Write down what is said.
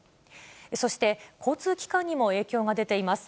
そして交通機関にも影響が出ています。